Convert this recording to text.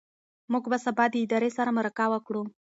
موږ به سبا د ادارې سره مرکه وکړو.